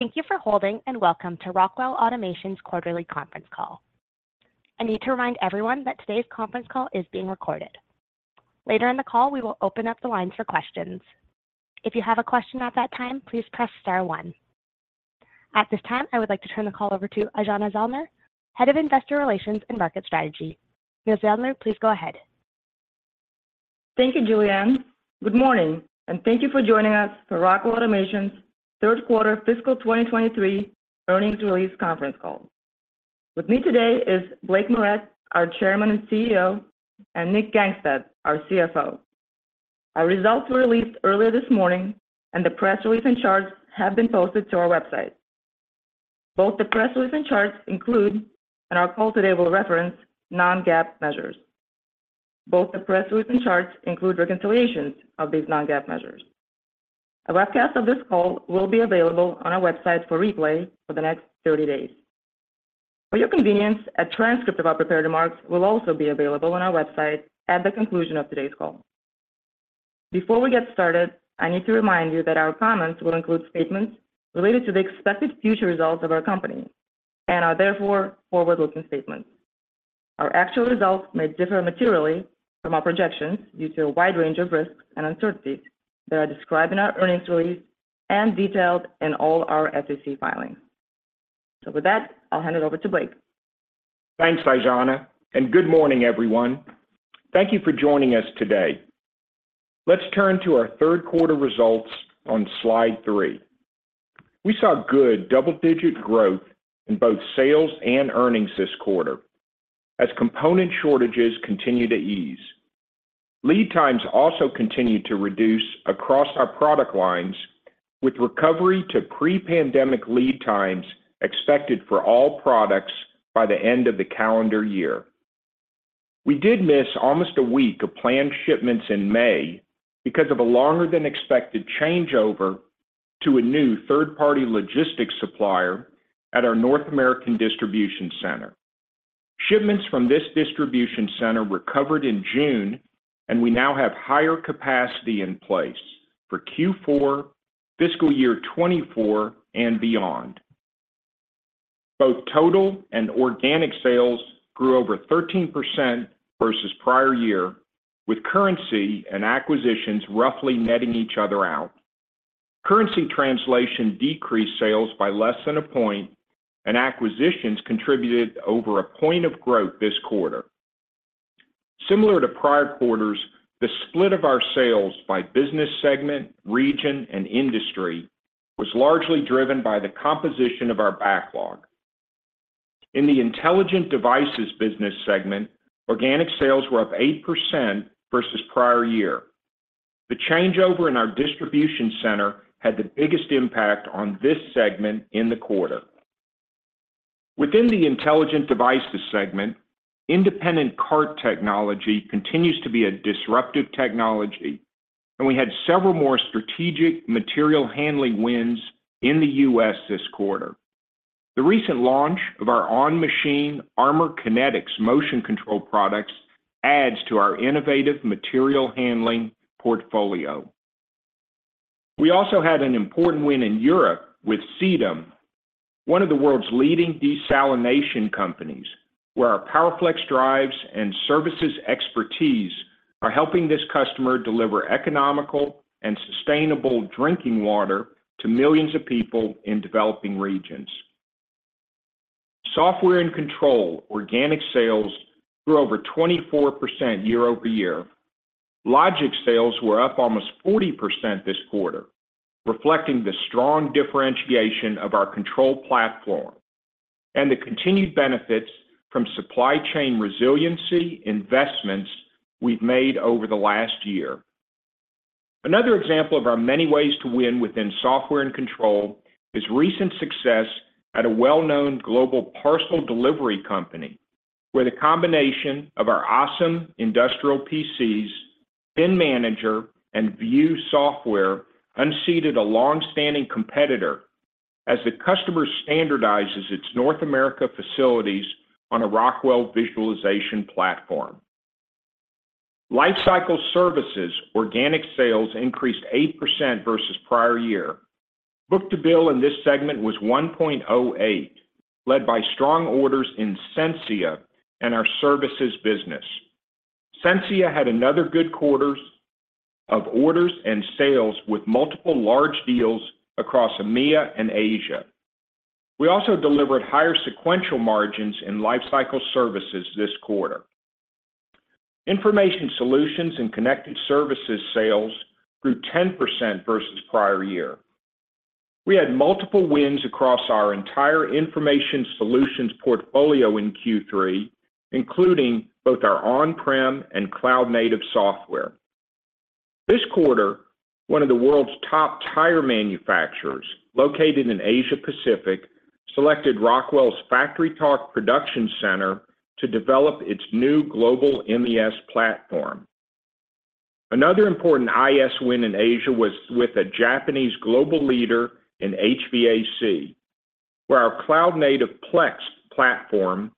Thank you for holding, and welcome to Rockwell Automation's quarterly conference call. I need to remind everyone that today's conference call is being recorded. Later in the call, we will open up the lines for questions. If you have a question at that time, please press star one. At this time, I would like to turn the call over to Aijana Zellner, Head of Investor Relations and Market Strategy. Ms. Zellner, please go ahead. Thank you, Julianne. Good morning, thank you for joining us for Rockwell Automation's third quarter fiscal 2023 earnings release conference call. With me today is Blake Moret, our Chairman and CEO, and Nick Gangestad, our CFO. Our results were released earlier this morning, and the press release and charts have been posted to our website. Both the press release and charts include, and our call today will reference non-GAAP measures. Both the press release and charts include reconciliations of these non-GAAP measures. A webcast of this call will be available on our website for replay for the next 30 days. For your convenience, a transcript of our prepared remarks will also be available on our website at the conclusion of today's call. Before we get started, I need to remind you that our comments will include statements related to the expected future results of our company and are therefore forward-looking statements. Our actual results may differ materially from our projections due to a wide range of risks and uncertainties that are described in our earnings release and detailed in all our SEC filings. With that, I'll hand it over to Blake. Thanks, Aijana. Good morning, everyone. Thank you for joining us today. Let's turn to our third quarter results on slide three. We saw good double-digit growth in both sales and earnings this quarter as component shortages continue to ease. Lead times also continued to reduce across our product lines, with recovery to pre-pandemic lead times expected for all products by the end of the calendar year. We did miss almost a week of planned shipments in May because of a longer than expected changeover to a new third-party logistics supplier at our North American distribution center. Shipments from this distribution center recovered in June, and we now have higher capacity in place for Q4, fiscal year 2024, and beyond. Both total and organic sales grew over 13% versus prior year, with currency and acquisitions roughly netting each other out. Currency translation decreased sales by less than 1 point. Acquisitions contributed over 1 point of growth this quarter. Similar to prior quarters, the split of our sales by business segment, region, and industry was largely driven by the composition of our backlog. In the Intelligent Devices business segment, organic sales were up 8% versus prior year. The changeover in our distribution center had the biggest impact on this segment in the quarter. Within the Intelligent Devices segment, independent cart technology continues to be a disruptive technology, and we had several more strategic material handling wins in the U.S. this quarter. The recent launch of our on-machine ArmorKinetix motion control products adds to our innovative material handling portfolio. We also had an important win in Europe with SIDEM, one of the world's leading desalination companies, where our PowerFlex drives and services expertise are helping this customer deliver economical and sustainable drinking water to millions of people in developing regions. Software & Control organic sales grew over 24% year-over-year. Logic sales were up almost 40% this quarter, reflecting the strong differentiation of our control platform and the continued benefits from supply chain resiliency investments we've made over the last year. Another example of our many ways to win within Software & Control is recent success at a well-known global parcel delivery company, where the combination of our awesome industrial PCs, ThinManager, and View software unseated a long-standing competitor as the customer standardizes its North America facilities on a Rockwell visualization platform. Lifecycle Services organic sales increased 8% versus prior year. Book-to-bill in this segment was 1.08x, led by strong orders in Sensia and our services business. Sensia had another good quarter of orders and sales, with multiple large deals across EMEA and Asia. We also delivered higher sequential margins in Lifecycle Services this quarter. Information Solutions and Connected Services sales grew 10% versus prior year. We had multiple wins across our entire Information Solutions portfolio in Q3, including both our on-prem and cloud-native software. This quarter, one of the world's top tire manufacturers, located in Asia-Pacific, selected Rockwell's FactoryTalk ProductionCentre to develop its new global MES platform. Another important IS win in Asia was with a Japanese global leader in HVAC, where our cloud-native Plex platform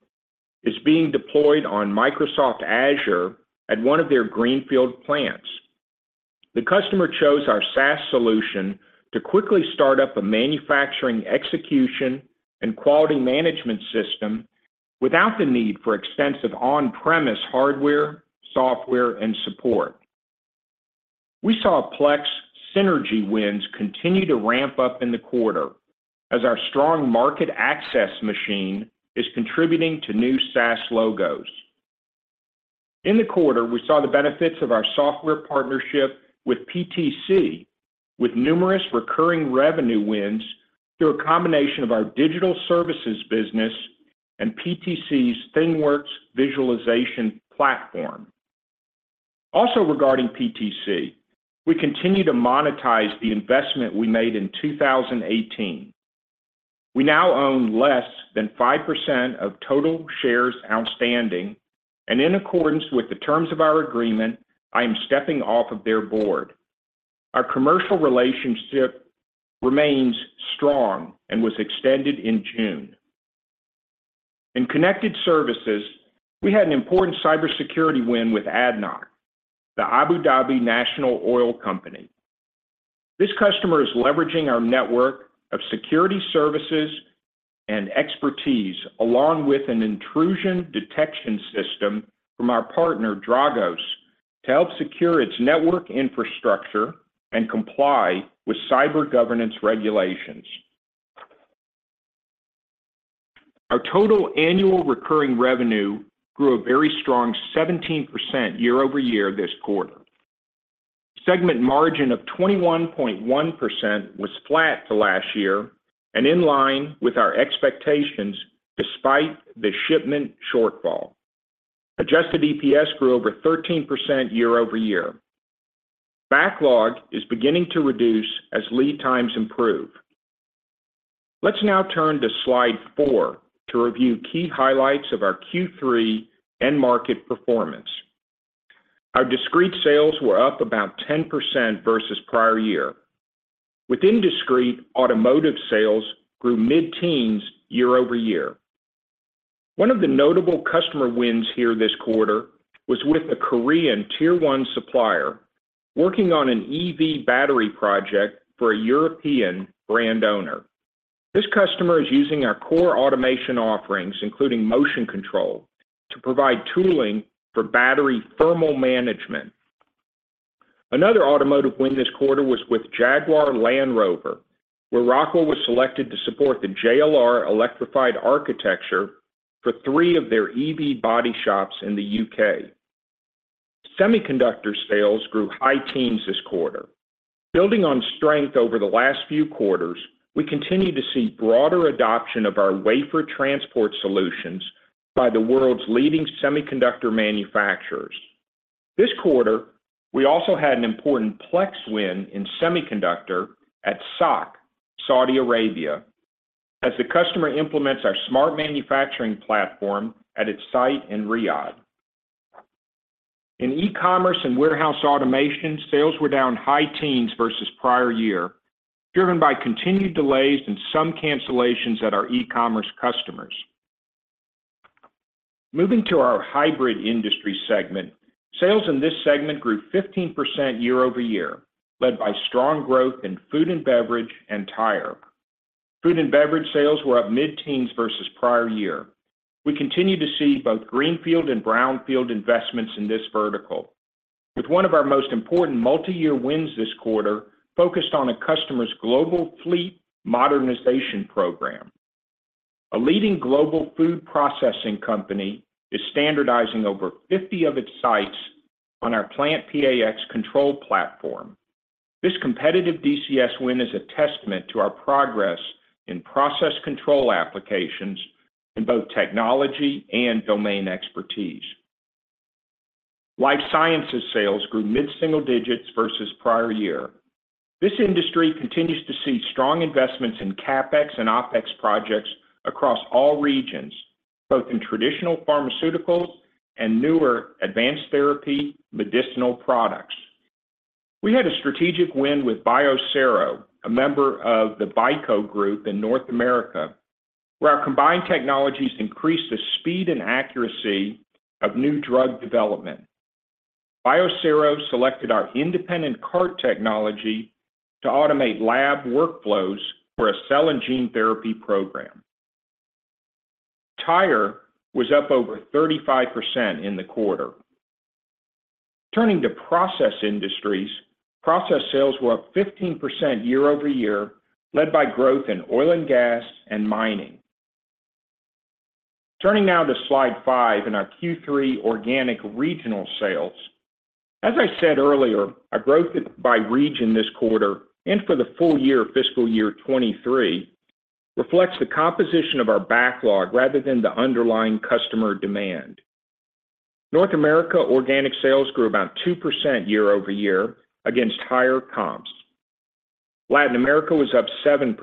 is being deployed on Microsoft Azure at one of their greenfield plants. The customer chose our SaaS solution to quickly start up a manufacturing execution and quality management system without the need for extensive on-premise hardware, software, and support. We saw Plex synergy wins continue to ramp up in the quarter as our strong market access machine is contributing to new SaaS logos. In the quarter, we saw the benefits of our software partnership with PTC, with numerous recurring revenue wins through a combination of our digital services business and PTC's ThingWorx visualization platform. Regarding PTC, we continue to monetize the investment we made in 2018. We now own less than 5% of total shares outstanding, and in accordance with the terms of our agreement, I am stepping off of their board. Our commercial relationship remains strong and was extended in June. In Connected Services, we had an important Cybersecurity win with ADNOC, the Abu Dhabi National Oil Company. This customer is leveraging our network of security services and expertise, along with an intrusion detection system from our partner, Dragos, to help secure its network infrastructure and comply with cyber governance regulations. Our total annual recurring revenue grew a very strong 17% year-over-year this quarter. Segment margin of 21.1% was flat to last year and in line with our expectations despite the shipment shortfall. Adjusted EPS grew over 13% year-over-year. Backlog is beginning to reduce as lead times improve. Let's now turn to slide four to review key highlights of our Q3 end market performance. Our discrete sales were up about 10% versus prior year. Within discrete, automotive sales grew mid-teens year-over-year. One of the notable customer wins here this quarter was with a Korean Tier 1 supplier working on an EV battery project for a European brand owner. This customer is using our core automation offerings, including motion control, to provide tooling for battery thermal management. Another automotive win this quarter was with Jaguar Land Rover, where Rockwell was selected to support the JLR electrified architecture for three of their EV body shops in the U.K. Semiconductor sales grew high teens this quarter. Building on strength over the last few quarters, we continue to see broader adoption of our wafer transport solutions by the world's leading semiconductor manufacturers. This quarter, we also had an important Plex win in semiconductor at SAAK, Saudi Arabia, as the customer implements our smart manufacturing platform at its site in Riyadh. In e-commerce and warehouse automation, sales were down high teens versus prior year, driven by continued delays and some cancellations at our e-commerce customers. Moving to our Hybrid industry segment, sales in this segment grew 15% year-over-year, led by strong growth in Food & Beverage and Tire. Food & Beverage sales were up mid-teens versus prior year. We continue to see both greenfield and brownfield investments in this vertical, with one of our most important multi-year wins this quarter focused on a customer's global fleet modernization program. A leading global food processing company is standardizing over 50 of its sites on our PlantPAx control platform. This competitive DCS win is a testament to our progress in process control applications in both technology and domain expertise. Life Sciences sales grew mid-single digits versus prior year. This industry continues to see strong investments in CapEx and OpEx projects across all regions, both in traditional pharmaceuticals and newer Advanced Therapy Medicinal Products. We had a strategic win with Biosero, a member of the BICO Group in North America, where our combined technologies increase the speed and accuracy of new drug development. Biosero selected our Independent Cart Technology to automate lab workflows for a cell and gene therapy program. Tire was up over 35% in the quarter. Turning to Process industries, process sales were up 15% year-over-year, led by growth in Oil & Gas and Mining. Turning now to slide five in our Q3 organic regional sales. As I said earlier, our growth by region this quarter and for the full year, fiscal year 2023, reflects the composition of our backlog rather than the underlying customer demand. North America organic sales grew about 2% year-over-year against higher comps. Latin America was up 7%.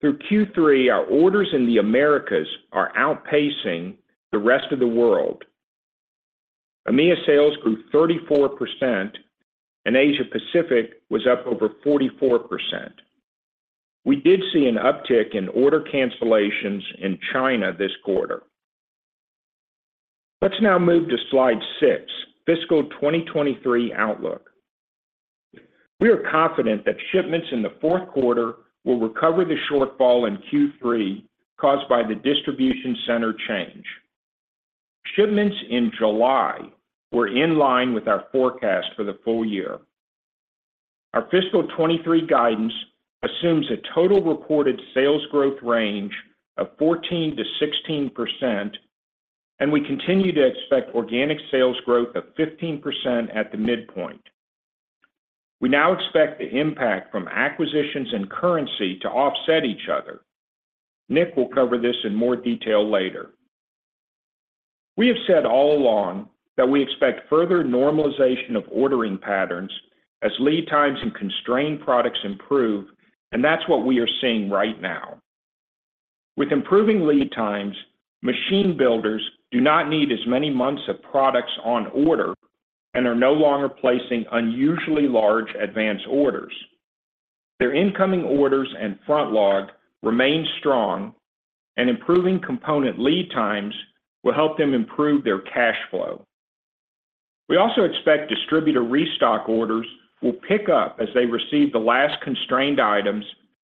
Through Q3, our orders in the Americas are outpacing the rest of the world. EMEA sales grew 34%, Asia-Pacific was up over 44%. We did see an uptick in order cancellations in China this quarter. Let's now move to slide six, fiscal 2023 outlook. We are confident that shipments in the fourth quarter will recover the shortfall in Q3 caused by the distribution center change. Shipments in July were in line with our forecast for the full year. Our fiscal 2023 guidance assumes a total reported sales growth range of 14%-16%, we continue to expect organic sales growth of 15% at the midpoint. We now expect the impact from acquisitions and currency to offset each other. Nick will cover this in more detail later. We have said all along that we expect further normalization of ordering patterns as lead times and constrained products improve. That's what we are seeing right now. With improving lead times, machine builders do not need as many months of products on order and are no longer placing unusually large advance orders. Their incoming orders and front log remain strong. Improving component lead times will help them improve their cash flow. We also expect distributor restock orders will pick up as they receive the last constrained items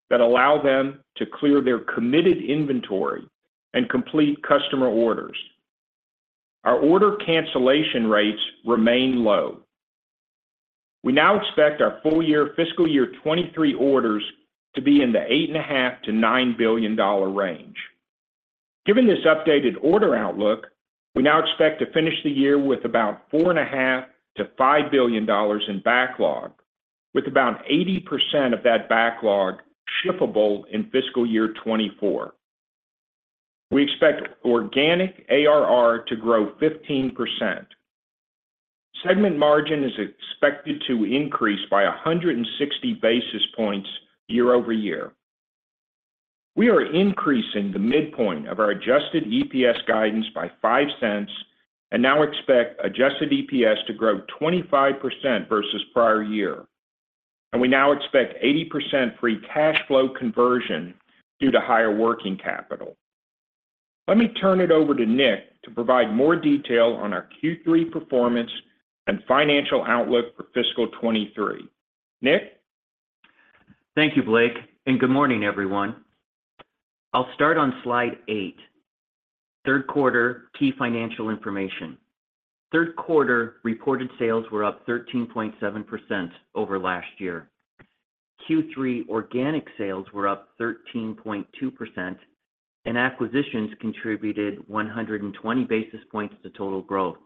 that allow them to clear their committed inventory and complete customer orders. Our order cancellation rates remain low. We now expect our full year, fiscal year 2023 orders to be in the $8.5 billion-$9 billion range. Given this updated order outlook, we now expect to finish the year with about $4.5 billion-$5 billion in backlog, with about 80% of that backlog shippable in fiscal year 2024. We expect organic ARR to grow 15%. Segment margin is expected to increase by 160 basis points year-over-year. We are increasing the midpoint of our adjusted EPS guidance by $0.05 and now expect adjusted EPS to grow 25% versus prior year, and we now expect 80% free cash flow conversion due to higher working capital. Let me turn it over to Nick to provide more detail on our Q3 performance and financial outlook for fiscal 2023. Nick? Thank you, Blake. Good morning, everyone. I'll start on slide eight, Third Quarter Key Financial Information. Third quarter reported sales were up 13.7% over last year. Q3 organic sales were up 13.2%, and acquisitions contributed 120 basis points to total growth.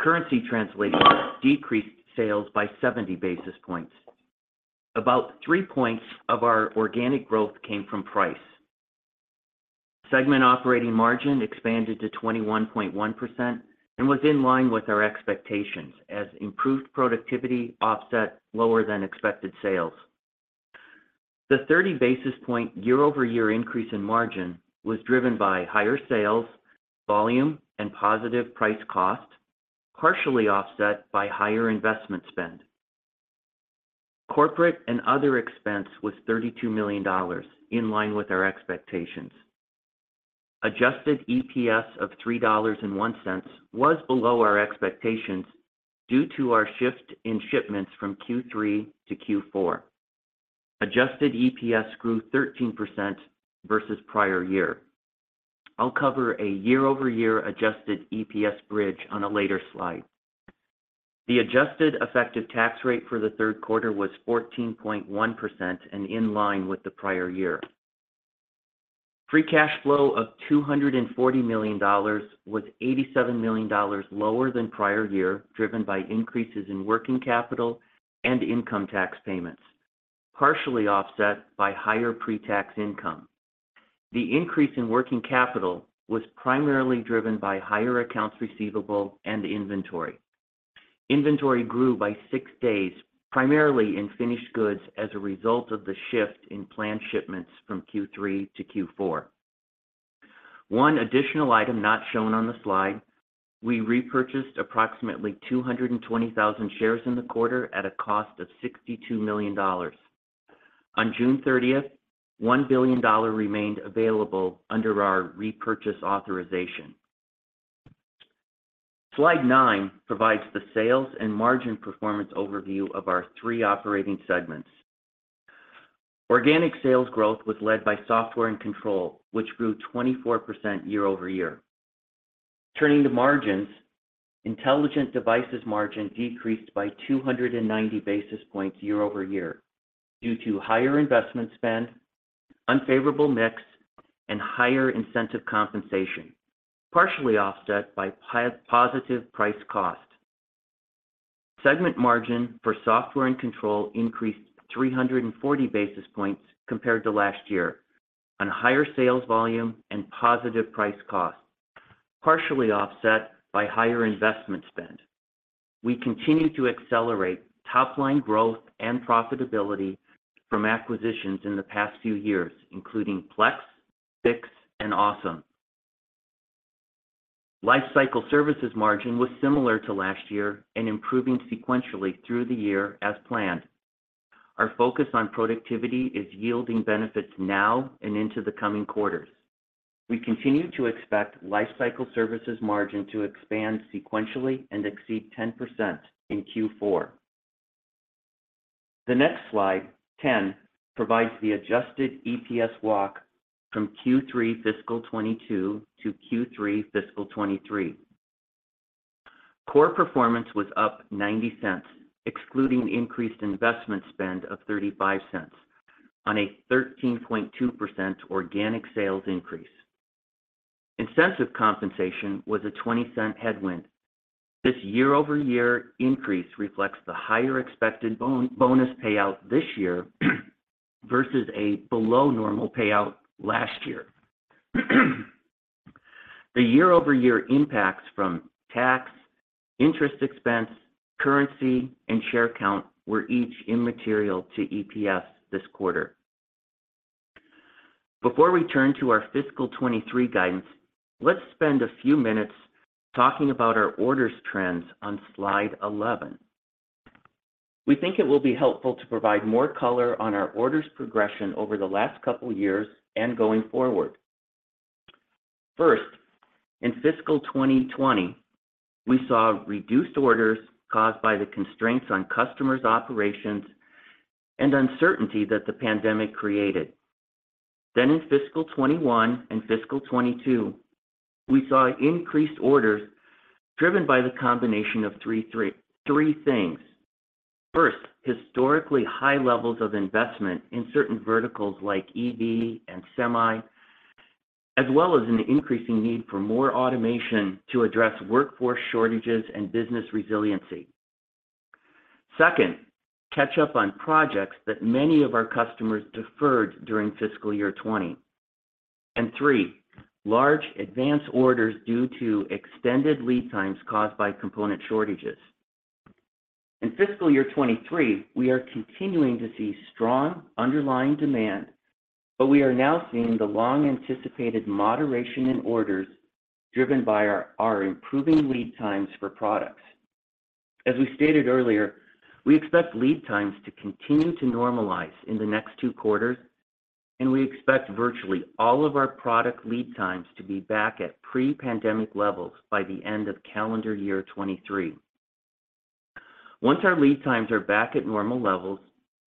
Currency translation decreased sales by 70 basis points. About 3 points of our organic growth came from price. Segment operating margin expanded to 21.1% and was in line with our expectations as improved productivity offset lower than expected sales. The 30 basis point year-over-year increase in margin was driven by higher sales, volume, and positive price cost, partially offset by higher investment spend. Corporate and other expense was $32 million, in line with our expectations. Adjusted EPS of $3.01 was below our expectations due to our shift in shipments from Q3 to Q4. Adjusted EPS grew 13% versus prior year. I'll cover a year-over-year adjusted EPS bridge on a later slide. The adjusted effective tax rate for the third quarter was 14.1% and in line with the prior year. Free cash flow of $240 million was $87 million lower than prior year, driven by increases in working capital and income tax payments, partially offset by higher pre-tax income. The increase in working capital was primarily driven by higher accounts receivable and inventory. Inventory grew by six days, primarily in finished goods, as a result of the shift in planned shipments from Q3 to Q4. One additional item not shown on the slide, we repurchased approximately 220,000 shares in the quarter at a cost of $62 million. On June 30th, $1 billion remained available under our repurchase authorization. Slide nine provides the sales and margin performance overview of our three operating segments. Organic sales growth was led by Software & Control, which grew 24% year-over-year. Turning to margins, Intelligent Devices margin decreased by 290 basis points year-over-year due to higher investment spend, unfavorable mix, and higher incentive compensation, partially offset by positive price cost. Segment margin for Software & Control increased 340 basis points compared to last year on higher sales volume and positive price cost, partially offset by higher investment spend. We continue to accelerate top-line growth and profitability from acquisitions in the past few years, including Plex, Fiix, and ASEM. Lifecycle Services margin was similar to last year and improving sequentially through the year as planned. Our focus on productivity is yielding benefits now and into the coming quarters. We continue to expect Lifecycle Services margin to expand sequentially and exceed 10% in Q4. The next slide, 10, provides the adjusted EPS walk from Q3 fiscal 2022 to Q3 fiscal 2023. Core performance was up $0.90, excluding increased investment spend of $0.35 on a 13.2% organic sales increase. Incentive compensation was a $0.20 headwind. This year-over-year increase reflects the higher expected bonus payout this year versus a below normal payout last year. The year-over-year impacts from tax, interest expense, currency, and share count were each immaterial to EPS this quarter. Before we turn to our fiscal 2023 guidance, let's spend a few minutes talking about our orders trends on slide 11. We think it will be helpful to provide more color on our orders progression over the last couple years and going forward. First, in fiscal 2020, we saw reduced orders caused by the constraints on customers' operations and uncertainty that the pandemic created. In fiscal 2021 and fiscal 2022, we saw increased orders driven by the combination of three things. First, historically high levels of investment in certain verticals like EV and semi, as well as an increasing need for more automation to address workforce shortages and business resiliency. Second, catch up on projects that many of our customers deferred during fiscal year 2020. Three, large advance orders due to extended lead times caused by component shortages. In fiscal year 2023, we are continuing to see strong underlying demand, but we are now seeing the long-anticipated moderation in orders driven by our improving lead times for products. As we stated earlier, we expect lead times to continue to normalize in the next two quarters, and we expect virtually all of our product lead times to be back at pre-pandemic levels by the end of calendar year 2023. Once our lead times are back at normal levels,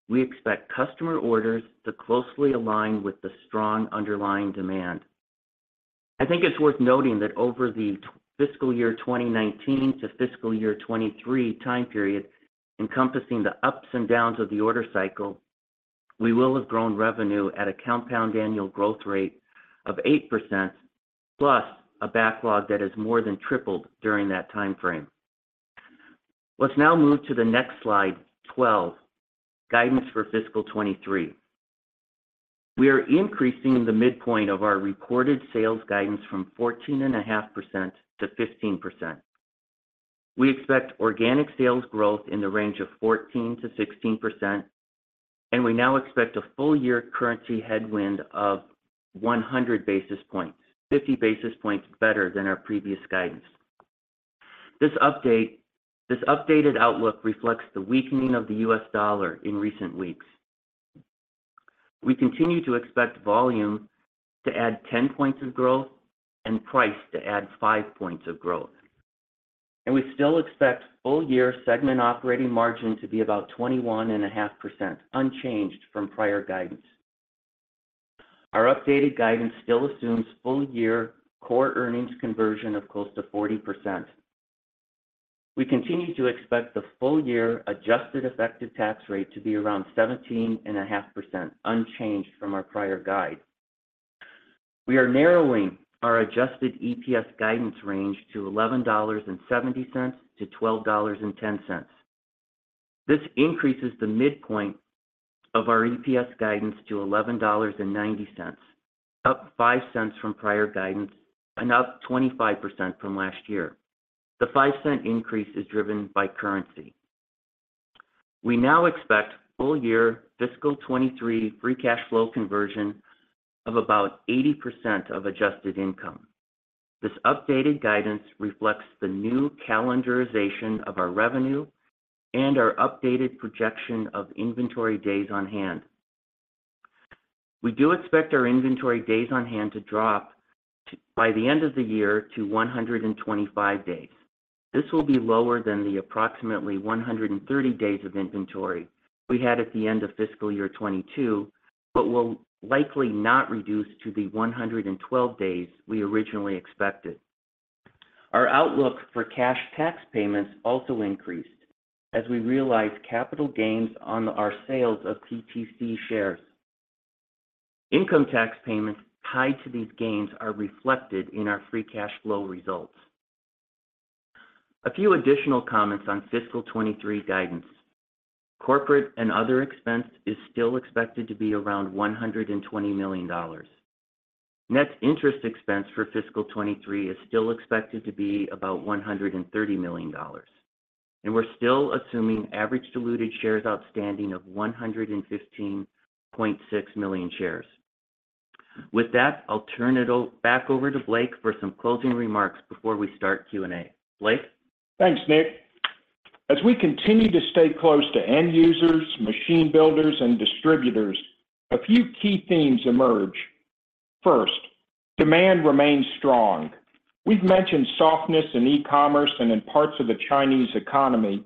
we expect customer orders to closely align with the strong underlying demand. I think it's worth noting that over the fiscal year 2019 to fiscal year 2023 time period, encompassing the ups and downs of the order cycle, we will have grown revenue at a compound annual growth rate of 8%, plus a backlog that has more than tripled during that time frame. Let's now move to the next slide 12, guidance for fiscal 2023. We are increasing the midpoint of our recorded sales guidance from 14.5% to 15%. We expect organic sales growth in the range of 14%-16%. We now expect a full year currency headwind of 100 basis points, 50 basis points better than our previous guidance. This updated outlook reflects the weakening of the U.S. dollar in recent weeks. We continue to expect volume to add 10 points of growth and price to add 5 points of growth. We still expect full year segment operating margin to be about 21.5%, unchanged from prior guidance. Our updated guidance still assumes full year core earnings conversion of close to 40%. We continue to expect the full year adjusted effective tax rate to be around 17.5%, unchanged from our prior guide. We are narrowing our adjusted EPS guidance range to $11.70-$12.10. This increases the midpoint of our EPS guidance to $11.90, up $0.05 from prior guidance and up 25% from last year. The $0.05 increase is driven by currency. We now expect full year fiscal 2023 free cash flow conversion of about 80% of adjusted income. This updated guidance reflects the new calendarization of our revenue and our updated projection of inventory days on hand. We do expect our inventory days on hand to drop to, by the end of the year to 125 days. This will be lower than the approximately 130 days of inventory we had at the end of fiscal year 2022, but will likely not reduce to the 112 days we originally expected. Our outlook for cash tax payments also increased as we realized capital gains on our sales of PTC shares. Income tax payments tied to these gains are reflected in our free cash flow results. A few additional comments on fiscal 2023 guidance. Corporate and other expense is still expected to be around $120 million. Net interest expense for fiscal 2023 is still expected to be about $130 million, and we're still assuming average diluted shares outstanding of 115.6 million shares. With that, I'll turn it back over to Blake for some closing remarks before we start Q&A. Blake? Thanks, Nick. As we continue to stay close to end users, machine builders, and distributors, a few key themes emerge. First, demand remains strong. We've mentioned softness in e-commerce and in parts of the Chinese economy,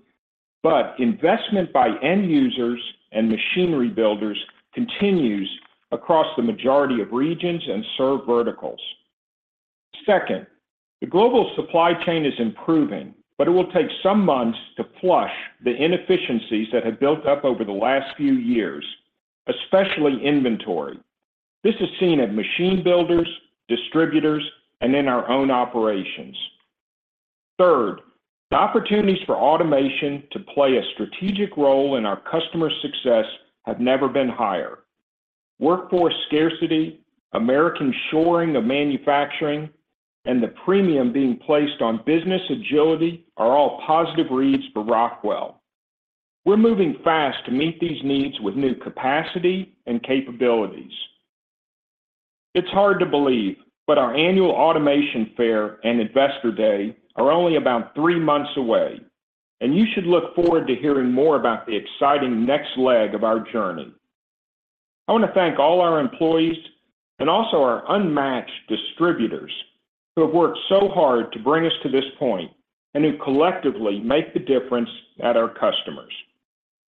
but investment by end users and machinery builders continues across the majority of regions and served verticals. Second, the global supply chain is improving, but it will take some months to flush the inefficiencies that have built up over the last few years, especially inventory. This is seen at machine builders, distributors, and in our own operations. Third, the opportunities for automation to play a strategic role in our customer success have never been higher. Workforce scarcity, American shoring of manufacturing, and the premium being placed on business agility are all positive reads for Rockwell. We're moving fast to meet these needs with new capacity and capabilities. It's hard to believe, but our annual Automation Fair and Investor Day are only about three months away, and you should look forward to hearing more about the exciting next leg of our journey. I want to thank all our employees and also our unmatched distributors, who have worked so hard to bring us to this point and who collectively make the difference at our customers.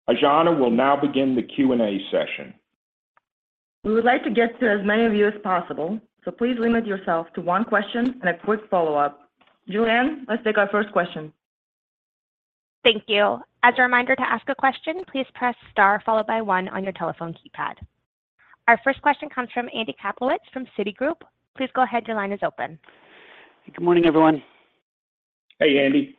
Aijana will now begin the Q&A session. We would like to get to as many of you as possible, so please limit yourself to one question and a quick follow-up. Julianne, let's take our first question. Thank you. As a reminder to ask a question, please press star followed by one on your telephone keypad. Our first question comes from Andrew Kaplowitz from Citigroup. Please go ahead, your line is open. Good morning, everyone. Hey, Andy.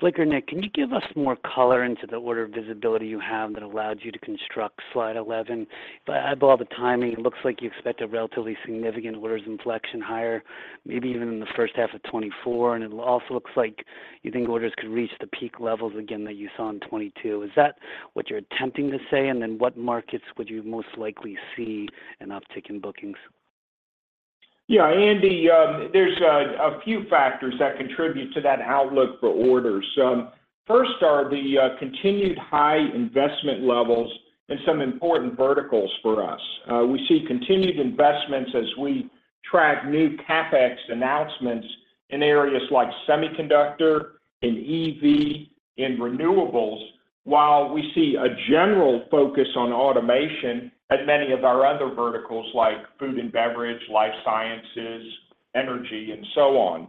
Blake or Nick, can you give us more color into the order of visibility you have that allowed you to construct slide 11? By eyeball the timing, it looks like you expect a relatively significant orders inflection higher, maybe even in the first half of 2024, and it also looks like you think orders could reach the peak levels again that you saw in 2022. Is that what you're attempting to say? Then what markets would you most likely see an uptick in bookings? Andy, there's a few factors that contribute to that outlook for orders. First are the continued high investment levels in some important verticals for us. We see continued investments as we track new CapEx announcements in areas like semiconductor, in EV, in renewables, while we see a general focus on automation at many of our other verticals, like Food & Beverage, Life Sciences, energy, and so on.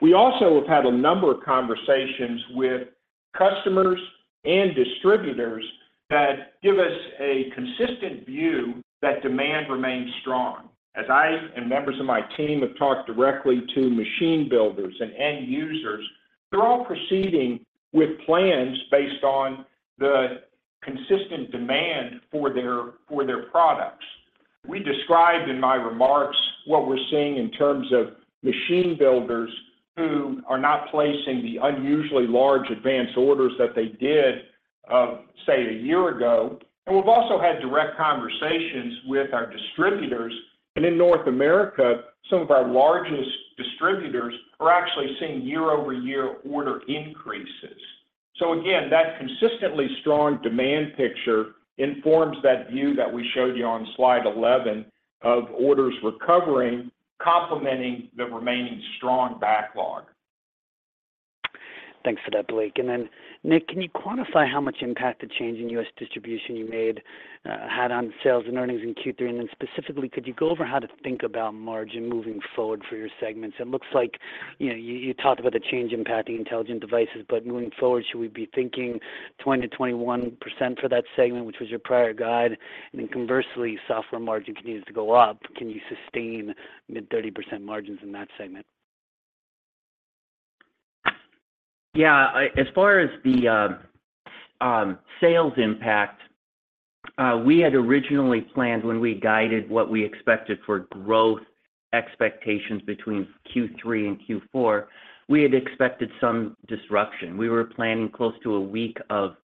We also have had a number of conversations with customers and distributors that give us a consistent view that demand remains strong. As I and members of my team have talked directly to machine builders and end users, they're all proceeding with plans based on the consistent demand for their products. We described in my remarks what we're seeing in terms of machine builders who are not placing the unusually large advanced orders that they did, say, a year ago. We've also had direct conversations with our distributors, and in North America, some of our largest distributors are actually seeing year-over-year order increases. Again, that consistently strong demand picture informs that view that we showed you on slide 11 of orders recovering, complementing the remaining strong backlog. Thanks for that, Blake. Nick, can you quantify how much impact the change in U.S. distribution you made had on sales and earnings in Q3? Specifically, could you go over how to think about margin moving forward for your segments? It looks like, you know, you, you talked about the change impacting Intelligent Devices, but moving forward, should we be thinking 20%-21% for that segment, which was your prior guide? Conversely, Software margin continues to go up. Can you sustain mid-30% margins in that segment? Yeah, as far as the sales impact, we had originally planned when we guided what we expected for growth expectations between Q3 and Q4, we had expected some disruption. We were planning close to a week of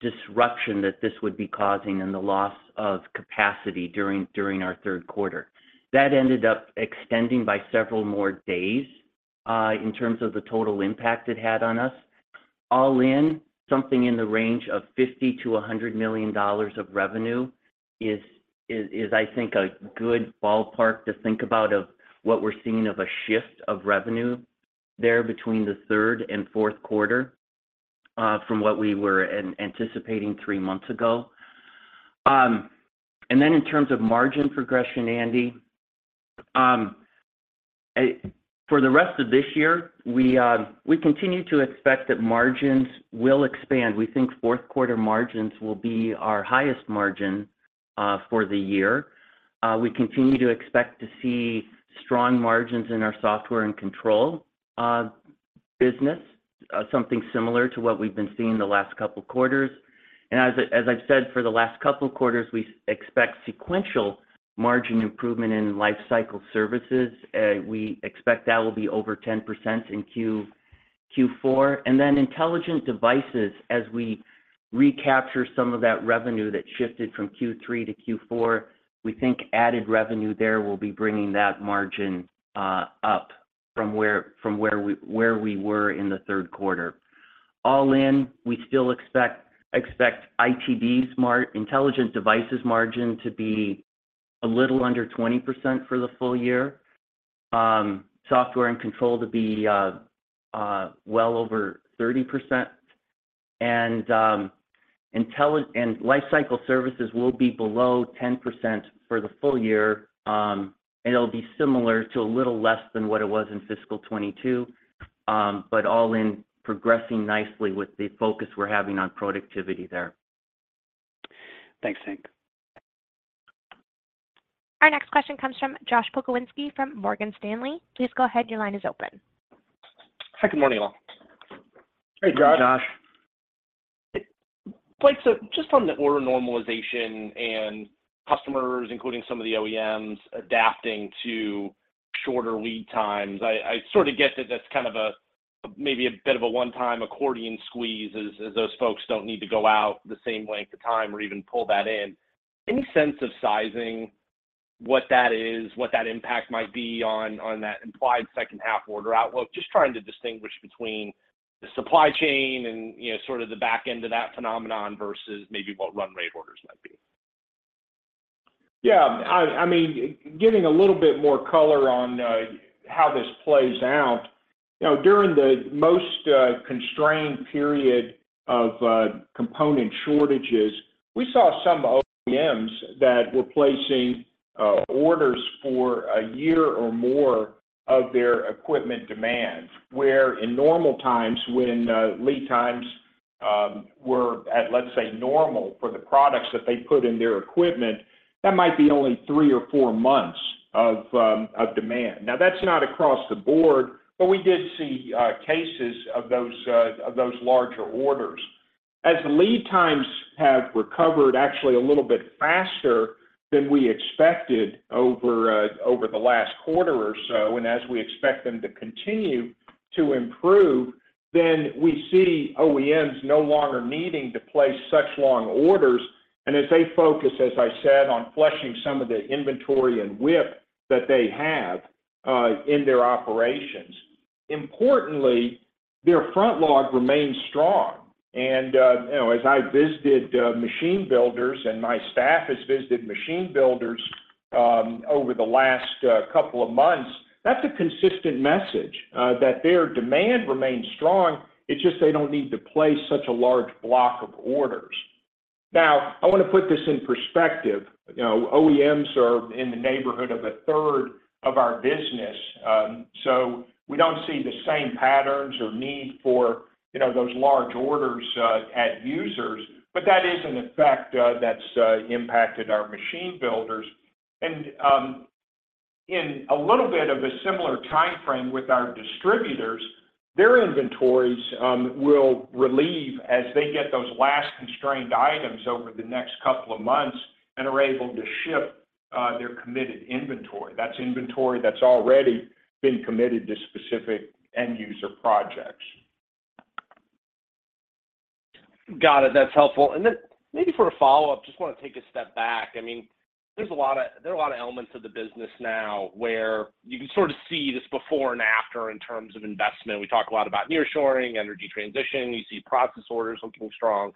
disruption that this would be causing and the loss of capacity during, during our third quarter. That ended up extending by several more days, in terms of the total impact it had on us. All in, something in the range of $50 million-$100 million of revenue is, is, is I think, a good ballpark to think about of what we're seeing of a shift of revenue there between the third and fourth quarter, from what we were anticipating three months ago. In terms of margin progression, Andy, for the rest of this year, we continue to expect that margins will expand. We think fourth quarter margins will be our highest margin for the year. We continue to expect to see strong margins in our Software & Control business, something similar to what we've been seeing the last couple of quarters. As I, as I've said, for the last couple of quarters, we expect sequential margin improvement in Lifecycle Services. We expect that will be over 10% in Q4. Intelligent Devices, as we recapture some of that revenue that shifted from Q3 to Q4, we think added revenue there will be bringing that margin up from where we were in the third quarter. All in, we still expect ITD, Intelligent Devices margin to be a little under 20% for the full year, Software & Control to be well over 30%. Lifecycle Services will be below 10% for the full year, and it'll be similar to a little less than what it was in fiscal 2022, but all in progressing nicely with the focus we're having on productivity there. Thanks, Hank. Our next question comes from Joshua Pokrzywinski from Morgan Stanley. Please go ahead. Your line is open. Hi, good morning, all. Hey, Josh. Good morning, Josh. Blake, just on the order normalization and customers, including some of the OEMs, adapting to shorter lead times, I, I sort of get that that's kind of a, maybe a bit of a one-time accordion squeeze as, as those folks don't need to go out the same length of time or even pull that in. Any sense of sizing what that is, what that impact might be on, on that implied second-half order outlook? Just trying to distinguish between the supply chain and, you know, sort of the back end of that phenomenon versus maybe what run rate orders might be. Yeah, I, I mean, giving a little bit more color on how this plays out. You know, during the most constrained period of component shortages, we saw some OEMs that were placing orders for one year or more of their equipment demand, where in normal times when lead times were at, let's say, normal for the products that they put in their equipment, that might be only three or four months of demand. That's not across the board, but we did see cases of those of those larger orders. As the lead times have recovered actually a little bit faster than we expected over the last quarter or so, and as we expect them to continue to improve, then we see OEMs no longer needing to place such long orders. As they focus, as I said, on fleshing some of the inventory and WIP that they have in their operations. Importantly, their front log remains strong, you know, as I visited machine builders and my staff has visited machine builders over the last couple of months, that's a consistent message that their demand remains strong. It's just they don't need to place such a large block of orders. I want to put this in perspective. You know, OEMs are in the neighborhood of 1/3 of our business, so we don't see the same patterns or need for, you know, those large orders at users, but that is an effect that's impacted our machine builders. In a little bit of a similar time frame with our distributors, their inventories will relieve as they get those last constrained items over the next couple of months and are able to ship their committed inventory. That's inventory that's already been committed to specific end user projects. Got it. That's helpful. Maybe for a follow-up, just want to take a step back. There are a lot of elements of the business now where you can sort of see this before and after in terms of investment. We talk a lot about nearshoring, energy transition, we see process orders looking strong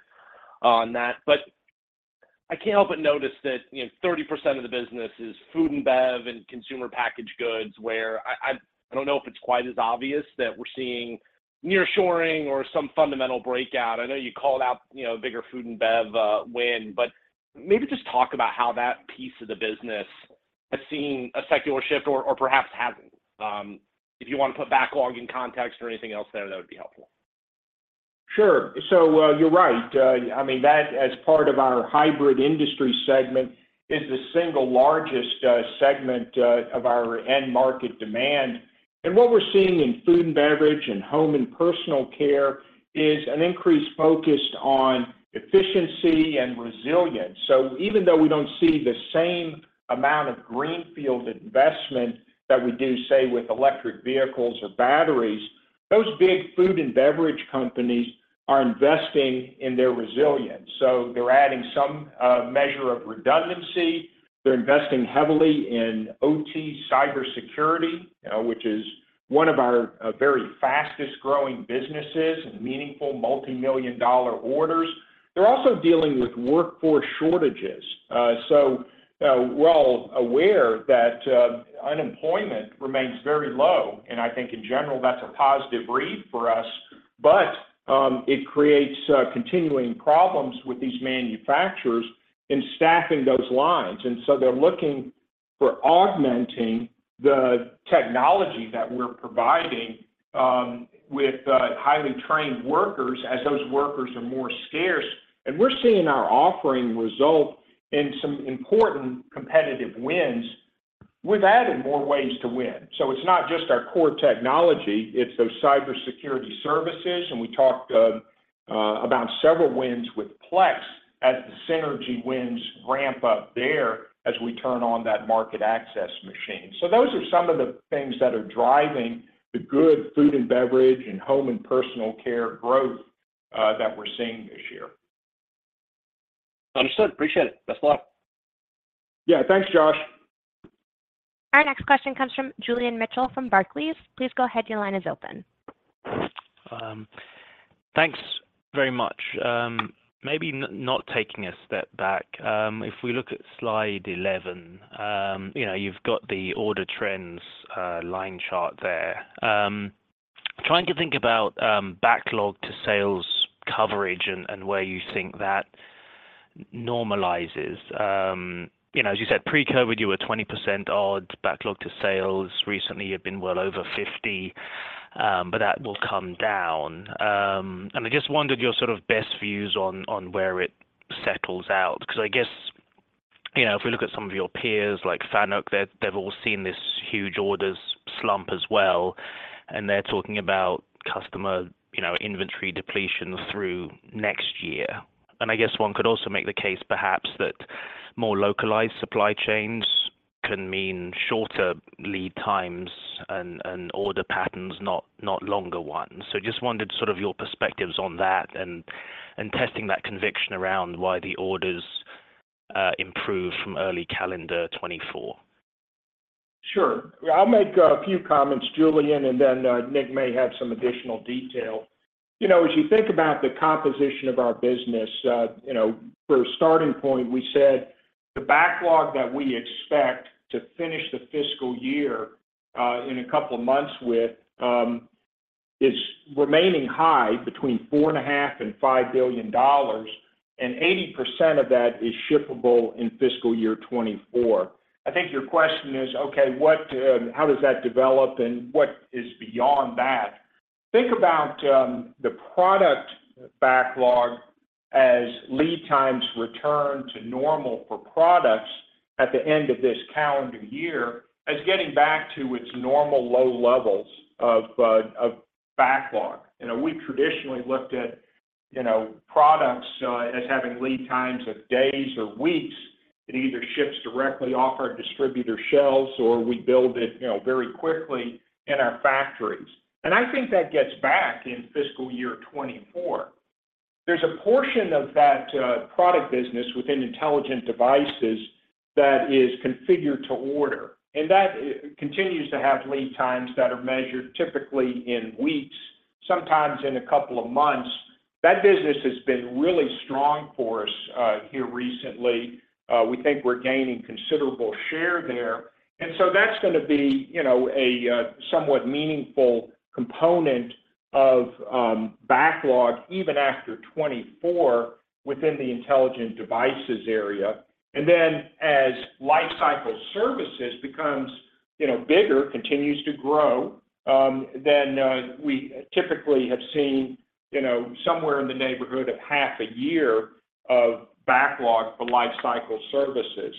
on that. I can't help but notice that, you know, 30% of the business is Food & Beverage and Consumer Packaged Goods, where I don't know if it's quite as obvious that we're seeing nearshoring or some fundamental breakout. I know you called out, you know, a bigger Food & Beverage win, maybe just talk about how that piece of the business has seen a secular shift or perhaps hasn't. If you want to put backlog in context or anything else there, that would be helpful. Sure. You're right. I mean, that as part of our Hybrid industry segment, is the single largest segment of our end market demand. What we're seeing in Food & Beverage and Home & Personal Care is an increase focused on efficiency and resilience. Even though we don't see the same amount of greenfield investment that we do, say, with electric vehicles or batteries, those big food and beverage companies are investing in their resilience. They're adding some measure of redundancy. They're investing heavily in OT Cybersecurity, which is one of our very fastest-growing businesses and meaningful multimillion-dollar orders. They're also dealing with workforce shortages. We're all aware that unemployment remains very low, and I think in general, that's a positive read for us, but it creates continuing problems with these manufacturers in staffing those lines. They're looking for augmenting the technology that we're providing, with highly trained workers as those workers are more scarce. We're seeing our offering result in some important competitive wins. We've added more ways to win. It's not just our core technology, it's those Cybersecurity services, and we talked about several wins with Plex as the synergy wins ramp up there as we turn on that market access machine. Those are some of the things that are driving the good food and beverage, and home and personal care growth that we're seeing this year. Understood. Appreciate it. Best of luck. Yeah, thanks, Josh. Our next question comes from Julian Mitchell from Barclays. Please go ahead, your line is open. Thanks very much. Maybe not taking a step back, if we look at slide 11, you know, you've got the order trends line chart there. Trying to think about backlog to sales coverage and, and where you think that normalizes. You know, as you said, pre-COVID, you were 20% odd backlog to sales. Recently, you've been well over 50, but that will come down. I just wondered your sort of best views on, on where it settles out, 'cause I guess, you know, if we look at some of your peers, like FANUC, they've, they've all seen this huge orders slump as well, and they're talking about customer, you know, inventory depletion through next year. I guess one could also make the case, perhaps, that more localized supply chains can mean shorter lead times and, and order patterns, not, not longer ones. Just wondered sort of your perspectives on that and, and testing that conviction around why the orders improve from early calendar 2024. Sure. I'll make a few comments, Julian, and then Nick may have some additional detail. You know, as you think about the composition of our business, you know, for a starting point, we said the backlog that we expect to finish the fiscal year in a couple of months with is remaining high between $4.5 billion and $5 billion, and 80% of that is shippable in fiscal year 2024. I think your question is, okay, what... how does that develop, and what is beyond that? Think about the product backlog as lead times return to normal for products at the end of this calendar year, as getting back to its normal low levels of backlog. You know, we traditionally looked at, you know, products as having lead times of days or weeks. It either ships directly off our distributor shelves, or we build it, you know, very quickly in our factories, and I think that gets back in fiscal year 2024. There's a portion of that product business within Intelligent Devices that is configured to order, and that continues to have lead times that are measured typically in weeks, sometimes in a couple of months. That business has been really strong for us here recently. We think we're gaining considerable share there. That's gonna be, you know, a somewhat meaningful component of backlog, even after 2024, within the Intelligent Devices area. As Lifecycle Services becomes, you know, bigger, continues to grow, then we typically have seen, you know, somewhere in the neighborhood of half a year of backlog for Lifecycle Services.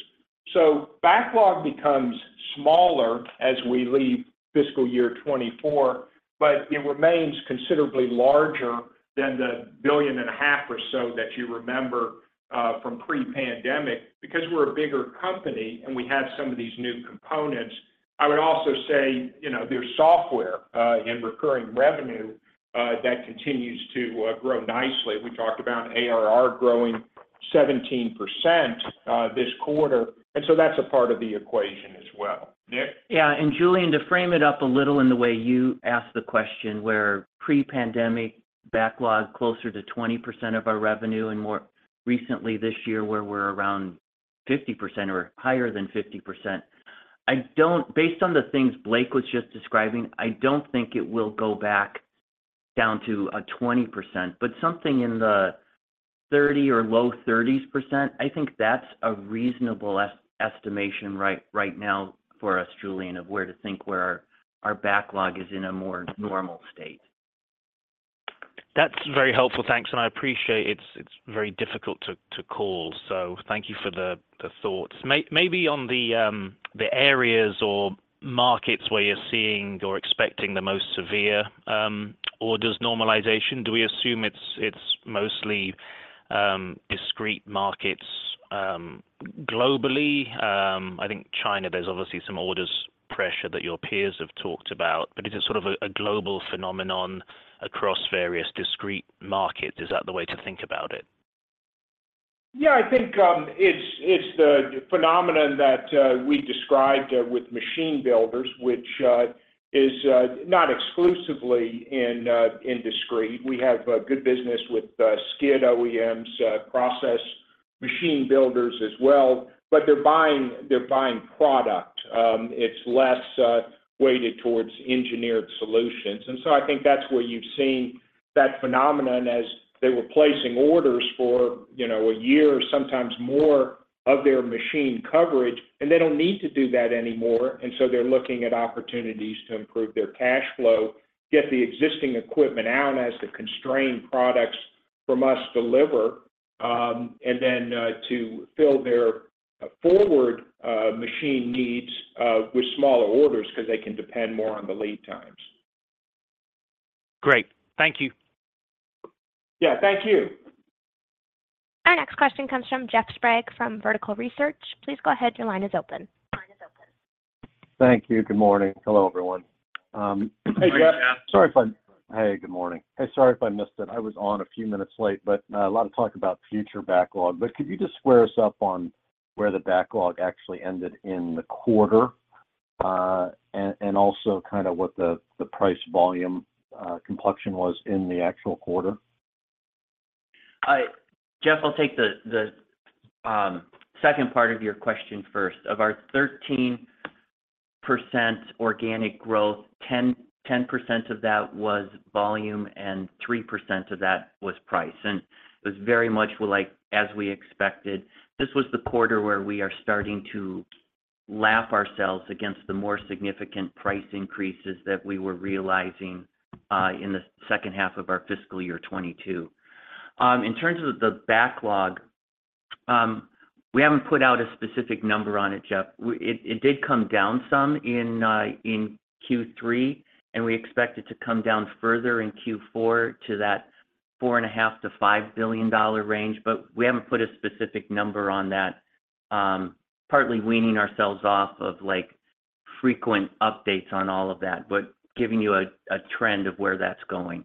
Backlog becomes smaller as we leave fiscal year 2024, but it remains considerably larger than the $1.5 billion or so that you remember from pre-pandemic, because we're a bigger company and we have some of these new components. I would also say, you know, there's software and recurring revenue that continues to grow nicely. We talked about ARR growing 17% this quarter, and so that's a part of the equation as well. Nick? Yeah, Julian, to frame it up a little in the way you asked the question, where pre-pandemic backlog, closer to 20% of our revenue, and more recently this year, where we're around 50% or higher than 50%. Based on the things Blake was just describing, I don't think it will go back down to 20%, but something in the 30% or low 30s%, I think that's a reasonable estimation right, right now for us, Julian, of where to think where our backlog is in a more normal state. That's very helpful. Thanks. I appreciate it's, it's very difficult to, to call, so thank you for the thoughts. Maybe on the areas or markets where you're seeing or expecting the most severe orders normalization, do we assume it's, it's mostly discrete markets globally? I think China, there's obviously some orders pressure that your peers have talked about, but is it sort of a global phenomenon across various discrete markets? Is that the way to think about it? Yeah, I think, it's, it's the phenomenon that we described with machine builders, which is not exclusively in discrete. We have a good business with skid OEMs, process machine builders as well, but they're buying, they're buying product. It's less weighted towards engineered solutions. I think that's where you've seen that phenomenon as they were placing orders for, you know, one year or sometimes more of their machine coverage, and they don't need to do that anymore, and so they're looking at opportunities to improve their cash flow, get the existing equipment out as the constrained products from us deliver. Then to fill their forward machine needs with smaller orders, 'cause they can depend more on the lead times. Great. Thank you. Yeah, thank you. Our next question comes from Jeff Sprague from Vertical Research. Please go ahead, your line is open. Thank you. Good morning. Hello, everyone. Hey, Jeff. Sorry. Hey, good morning. Hey, sorry if I missed it. I was on a few minutes late, but a lot of talk about future backlog. Could you just square us up on where the backlog actually ended in the quarter? And also kind of what the price volume complexion was in the actual quarter? Jeff, I'll take the, the second part of your question first. Of our 13% organic growth, 10% of that was volume, and 3% of that was price, and it was very much like as we expected. This was the quarter where we are starting to lap ourselves against the more significant price increases that we were realizing in the second half of our fiscal year 2022. In terms of the backlog, we haven't put out a specific number on it, Jeff. It did come down some in Q3, and we expect it to come down further in Q4 to that $4.5 billion-$5 billion range, but we haven't put a specific number on that. Partly weaning ourselves off of, like, frequent updates on all of that, but giving you a, a trend of where that's going.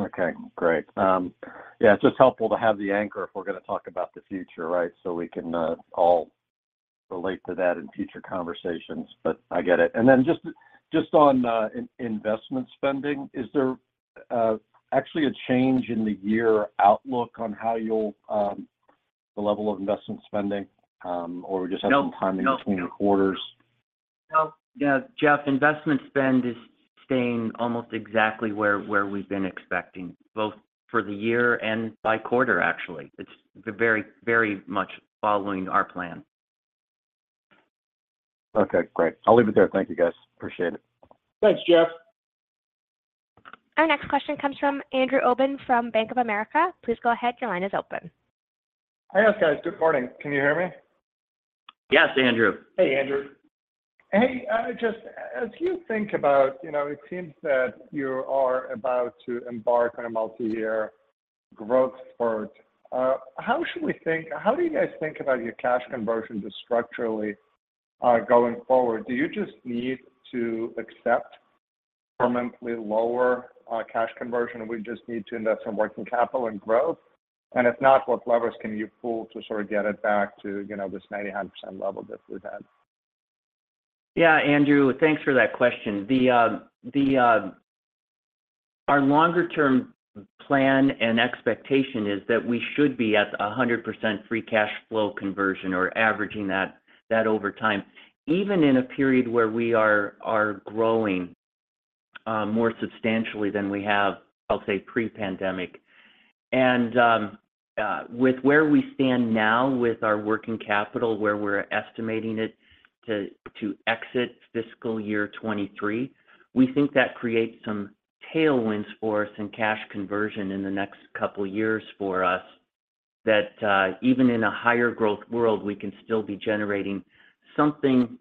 Okay, great. Yeah, it's just helpful to have the anchor if we're gonna talk about the future, right? We can all relate to that in future conversations. I get it. Then just, just on investment spending, is there actually a change in the year outlook on how you'll the level of investment spending? No. Some timing between the quarters? No. Yeah, Jeff, investment spend is staying almost exactly where, where we've been expecting, both for the year and by quarter, actually. It's very, very much following our plan. Okay, great. I'll leave it there. Thank you, guys. Appreciate it. Thanks, Jeff. Our next question comes from Andrew Obin from Bank of America. Please go ahead, your line is open. Hi, guys. Good morning. Can you hear me? Yes, Andrew. Hey, Andrew. Hey, just as you think about, you know, it seems that you are about to embark on a multi-year growth spurt. How should we think-- How do you guys think about your cash conversion just structurally going forward? Do you just need to accept permanently lower cash conversion, and we just need to invest in working capital and growth? If not, what levers can you pull to sort of get it back to, you know, this 98% level that we've had? Yeah, Andrew, thanks for that question. Our longer term plan and expectation is that we should be at 100% free cash flow conversion, or averaging that, that over time, even in a period where we are growing, more substantially than we have, I'll say, pre-pandemic. With where we stand now with our working capital, where we're estimating it to exit fiscal year 2023, we think that creates some tailwinds for us and cash conversion in the next couple of years for us, that, even in a higher growth world, we can still be generating something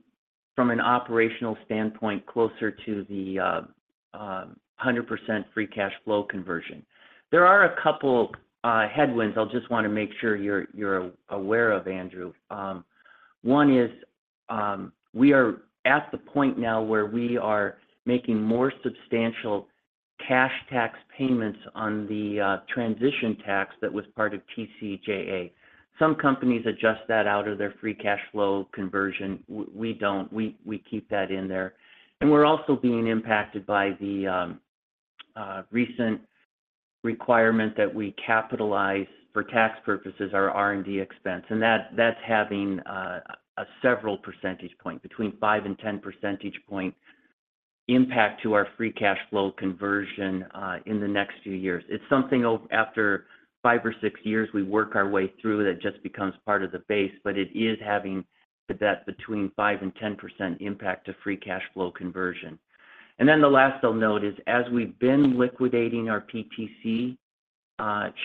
from an operational standpoint, closer to the 100% free cash flow conversion. There are a couple headwinds I'll just wanna make sure you're aware of, Andrew. One is, we are at the point now where we are making more substantial cash tax payments on the transition tax that was part of TCJA. Some companies adjust that out of their free cash flow conversion. We don't. We keep that in there. We're also being impacted by the recent requirement that we capitalize for tax purposes, our R&D expense, and that's having a several percentage point, between 5 percentage point and 10 percentage point impact to our free cash flow conversion in the next few years. It's something after five or six years, we work our way through, that just becomes part of the base, but it is having that between 5% and 10% impact to free cash flow conversion. Then the last I'll note is, as we've been liquidating our PTC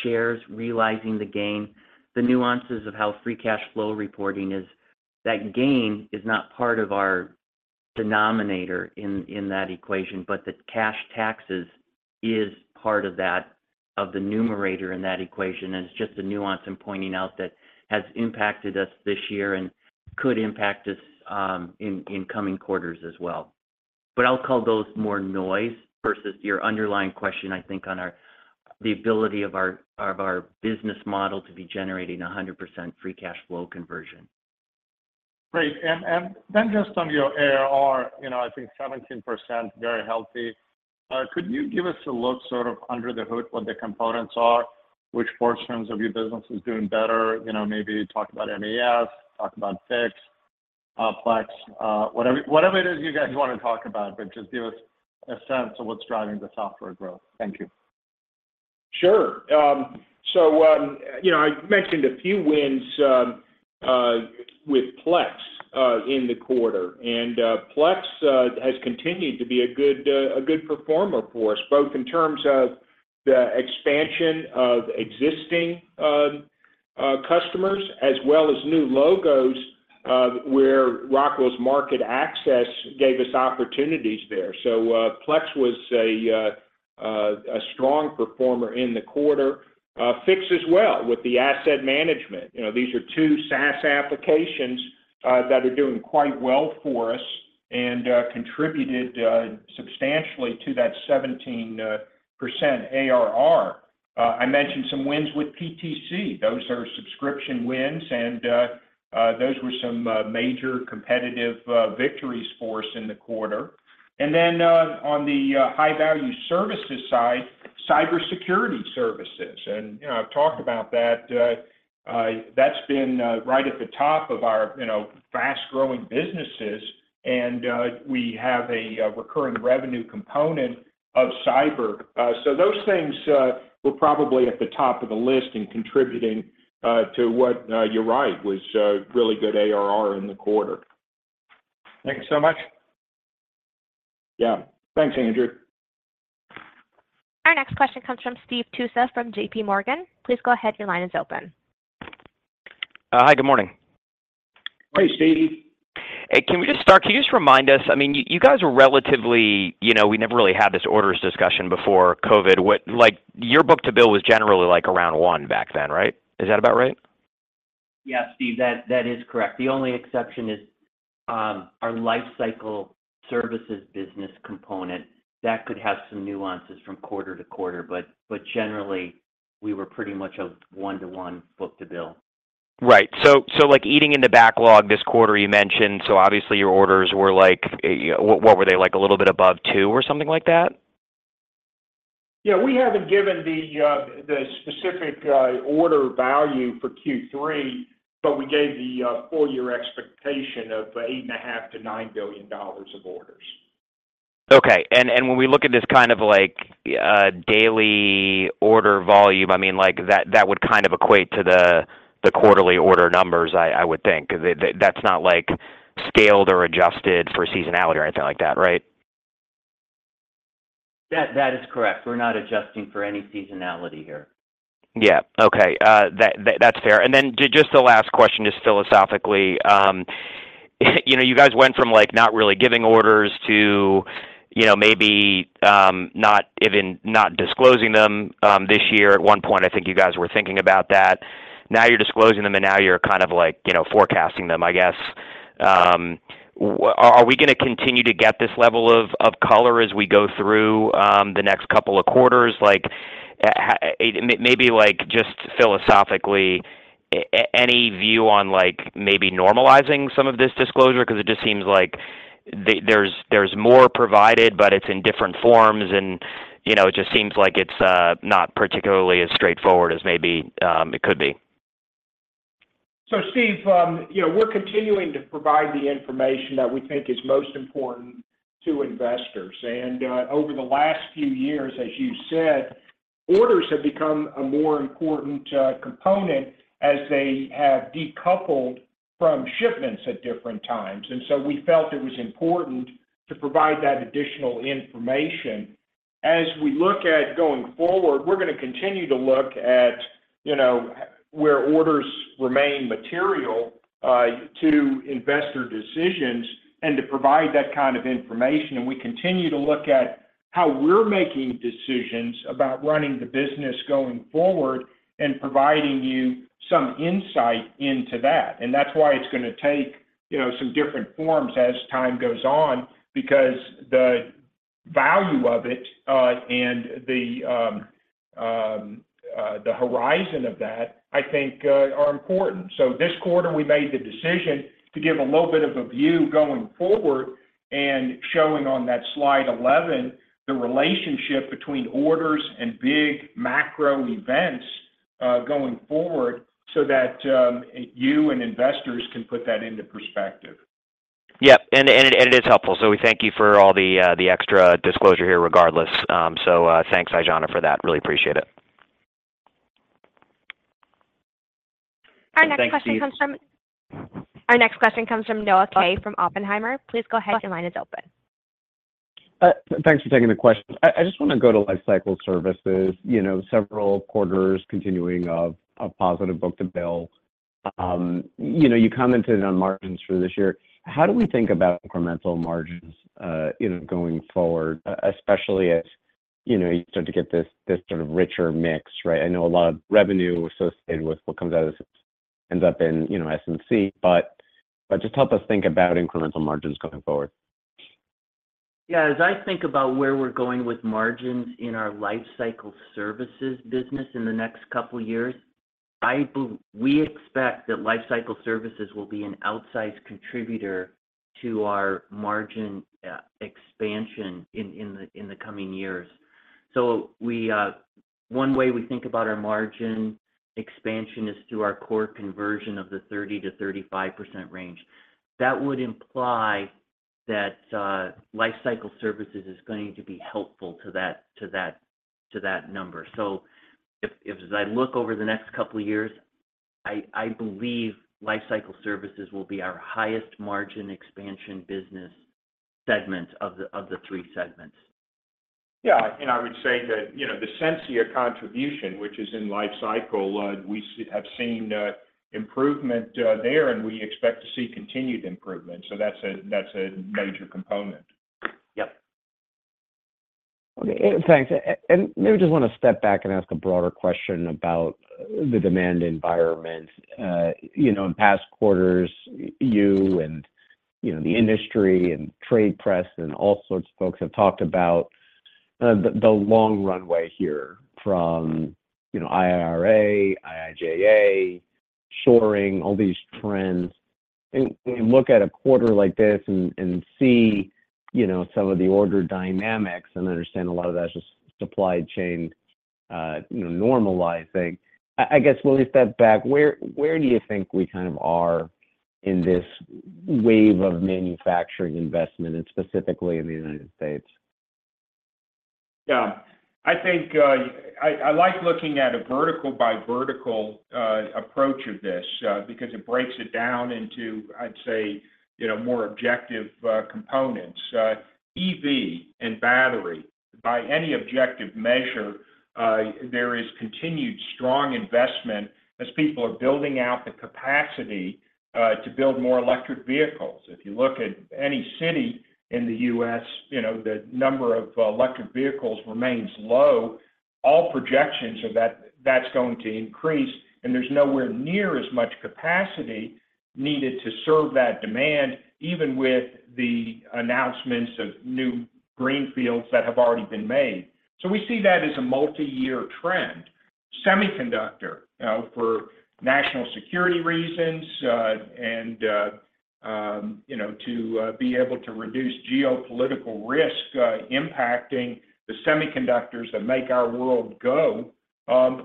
shares, realizing the gain, the nuances of how free cash flow reporting is, that gain is not part of our denominator in, in that equation, but the cash taxes is part of that, of the numerator in that equation. It's just a nuance I'm pointing out that has impacted us this year and could impact us in coming quarters as well. I'll call those more noise versus your underlying question, I think, on our-- the ability of our, of our business model to be generating 100% free cash flow conversion. Great. Then just on your ARR, you know, I think 17%, very healthy. Could you give us a look sort of under the hood, what the components are, which portions of your business is doing better? You know, maybe talk about NAS, talk about Fiix, Plex, whatever, whatever it is you guys want to talk about, but just give us a sense of what's driving the software growth. Thank you. Sure. You know, I mentioned a few wins with Plex in the quarter. Plex has continued to be a good performer for us, both in terms of the expansion of existing customers as well as new logos, where Rockwell's market access gave us opportunities there. Plex was a strong performer in the quarter. Fiix as well, with the asset management. You know, these are two SaaS applications that are doing quite well for us and contributed substantially to that 17% ARR. I mentioned some wins with PTC. Those are subscription wins, and those were some major competitive victories for us in the quarter. Then, on the high-value services side, Cybersecurity services, and, you know, I've talked about that. That's been right at the top of our, you know, fast-growing businesses, and we have a recurring revenue component of cyber. So those things were probably at the top of the list in contributing to what, you're right, was a really good ARR in the quarter. Thank you so much. Yeah. Thanks, Andrew. Our next question comes from Steve Tusa from JPMorgan. Please go ahead, your line is open. Hi, good morning. Hi, Steve. Can you just remind us, I mean, you, you guys were relatively you know, we never really had this orders discussion before COVID. like, your book-to-bill was generally, like, around 1x back then, right? Is that about right? Yeah, Steve, that, that is correct. The only exception is, our Lifecycle Services business component. That could have some nuances from quarter to quarter, but, but generally, we were pretty much a one-to-one book-to-bill. Right. So, like, eating in the backlog this quarter, you mentioned, so obviously your orders were like, yeah, what were they, like, a little bit above two or something like that? Yeah, we haven't given the, the specific, order value for Q3, but we gave the full year expectation of $8.5 billion-$9 billion of orders. Okay. And when we look at this kind of, like, daily order volume, I mean, like, that, that would kind of equate to the, the quarterly order numbers, I, I would think. That's not, like, scaled or adjusted for seasonality or anything like that, right? That, that is correct. We're not adjusting for any seasonality here. Yeah. Okay. That, that's fair. Then just the last question, just philosophically, you know, you guys went from, like, not really giving orders to, you know, maybe not even not disclosing them this year. At one point, I think you guys were thinking about that. Now, you're disclosing them, and now you're kind of like, you know, forecasting them, I guess. Are we gonna continue to get this level of, of color as we go through the next couple of quarters? Like, maybe, like, just philosophically, any view on, like, maybe normalizing some of this disclosure? Because it just seems like there's, there's more provided, but it's in different forms and, you know, it just seems like it's not particularly as straightforward as maybe it could be. Steve, you know, we're continuing to provide the information that we think is most important to investors. Over the last few years, as you said, orders have become a more important component as they have decoupled from shipments at different times. We felt it was important to provide that additional information. As we look at going forward, we're gonna continue to look at, you know, where orders remain material to investor decisions and to provide that kind of information. We continue to look at how we're making decisions about running the business going forward and providing you some insight into that. That's why it's gonna take, you know, some different forms as time goes on, because the value of it, and the horizon of that, I think, are important. This quarter, we made the decision to give a little bit of a view going forward and showing on that slide 11, the relationship between orders and big macro events, going forward, so that you and investors can put that into perspective. Yeah, and, and, and it is helpful. We thank you for all the extra disclosure here regardless. Thanks, Aijana, for that. Really appreciate it. Our next question. Thanks, Steve. Our next question comes from Noah Kaye, from Oppenheimer. Please go ahead. Your line is open. Thanks for taking the question. I just wanna go to Lifecycle Services. You know, several quarters continuing of a positive book-to-bill. You know, you commented on margins for this year. How do we think about incremental margins, you know, going forward, especially as, you know, you start to get this, this sort of richer mix, right? I know a lot of revenue associated with what comes out of this ends up in, you know, S&C, but just help us think about incremental margins going forward. Yeah, as I think about where we're going with margins in our Lifecycle Services business in the next couple of years, we expect that Lifecycle Services will be an outsized contributor to our margin expansion in the coming years. One way we think about our margin expansion is through our core conversion of the 30%-35% range. That would imply that Lifecycle Services is going to be helpful to that, to that, to that number. If as I look over the next couple of years, I believe Lifecycle Services will be our highest margin expansion business segment of the three segments. Yeah, I would say that, you know, the Sensia contribution, which is in lifecycle, we have seen improvement there, and we expect to see continued improvement. That's a, that's a major component. Yep. Okay, thanks. Maybe just want to step back and ask a broader question about the demand environment. You know, in past quarters, you and, you know, the industry and trade press and all sorts of folks have talked about, the, the long runway here from, you know, IRA, IIJA, shoring, all these trends. When you look at a quarter like this and, and see, you know, some of the order dynamics and understand a lot of that's just supply chain, you know, normalizing, I, I guess we'll step back. Where, where do you think we kind of are in this wave of manufacturing investment, and specifically in the United States? Yeah. I think, I, I like looking at a vertical-by-vertical approach of this because it breaks it down into, I'd say, you know, more objective components. EV and battery, by any objective measure, there is continued strong investment as people are building out the capacity to build more electric vehicles. If you look at any city in the U.S., you know, the number of electric vehicles remains low. All projections are that that's going to increase, and there's nowhere near as much capacity needed to serve that demand, even with the announcements of new greenfields that have already been made. We see that as a multi-year trend. Semiconductor, for national security reasons, and, you know, to be able to reduce geopolitical risk, impacting the semiconductors that make our world go,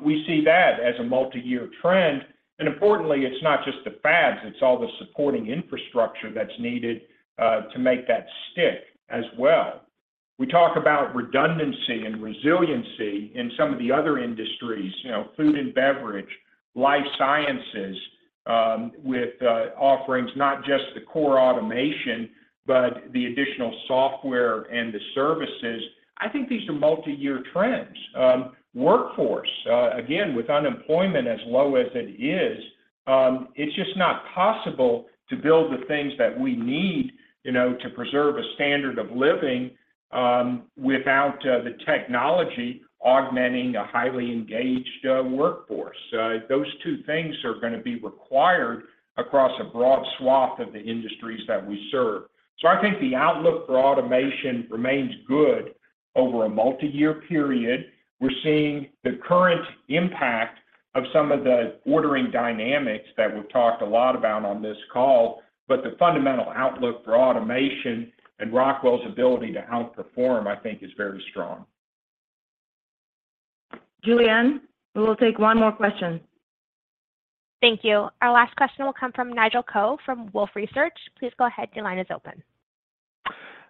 we see that as a multi-year trend. Importantly, it's not just the fabs, it's all the supporting infrastructure that's needed to make that stick as well. We talk about redundancy and resiliency in some of the other industries, you know, Food & Beverage, Life Sciences, with offerings, not just the core automation, but the additional software and the services. I think these are multi-year trends. Workforce, again, with unemployment as low as it is, it's just not possible to build the things that we need, you know, to preserve a standard of living, without the technology augmenting a highly engaged workforce. Those two things are gonna be required across a broad swath of the industries that we serve. I think the outlook for automation remains good over a multi-year period. We're seeing the current impact of some of the ordering dynamics that we've talked a lot about on this call, but the fundamental outlook for automation and Rockwell's ability to outperform, I think, is very strong. Julianne, we will take one more question. Thank you. Our last question will come from Nigel Coe from Wolfe Research. Please go ahead, your line is open.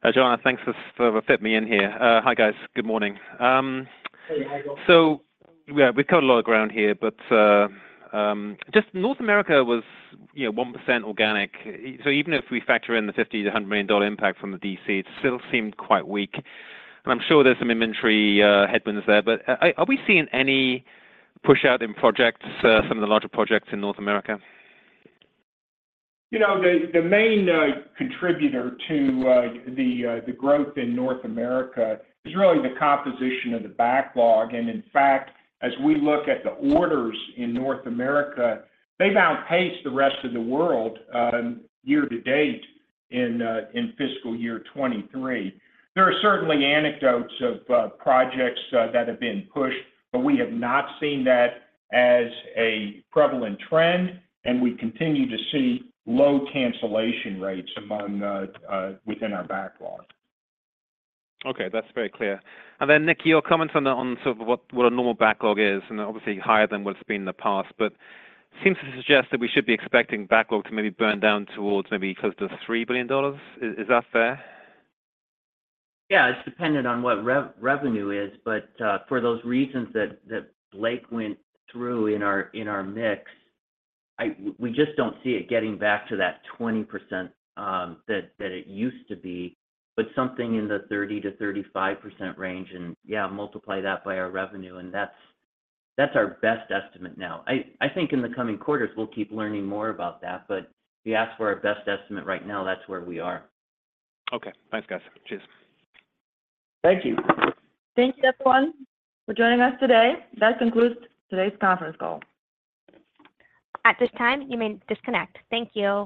Hi, John. Thanks for, for fitting me in here. Hi, guys. Good morning. Hey, Nigel. We, we've covered a lot of ground here, but, just North America was, you know, 1% organic. Even if we factor in the $50 million-$100 million impact from the DC, it still seemed quite weak. I'm sure there's some inventory, headwinds there, but are we seeing any pushout in projects, some of the larger projects in North America? You know, the main contributor to the growth in North America is really the composition of the backlog. In fact, as we look at the orders in North America, they outpace the rest of the world, year-to-date in fiscal year 2023. There are certainly anecdotes of projects that have been pushed, but we have not seen that as a prevalent trend, and we continue to see low cancellation rates among within our backlog. Okay, that's very clear. Nick, your comments on sort of what a normal backlog is, and obviously higher than what it's been in the past, but seems to suggest that we should be expecting backlog to maybe burn down towards maybe close to $3 billion. Is that fair? Yeah, it's dependent on what revenue is, but for those reasons that Blake went through in our mix, we just don't see it getting back to that 20% that it used to be, but something in the 30%-35% range. Yeah, multiply that by our revenue, and that's, that's our best estimate now. I think in the coming quarters, we'll keep learning more about that, but if you ask for our best estimate right now, that's where we are. Okay. Thanks, guys. Cheers. Thank you. Thank you, everyone, for joining us today. That concludes today's conference call. At this time, you may disconnect. Thank you.